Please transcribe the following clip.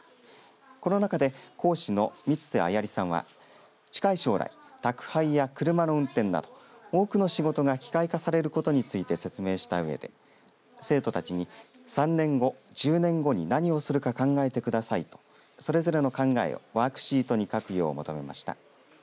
この中で講師の三瀬彩里さんは近い将来、宅配や車の運転など多くの仕事が機械化されることについて説明したうえで生徒たちに、３年後、１０年後に何をするか考えてくださいとそれぞれの考えをワークシートに書くよう求めました。